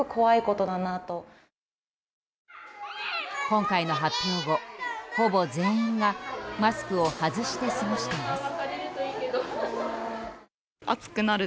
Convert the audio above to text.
今回の発表後、ほぼ全員がマスクを外して過ごしています。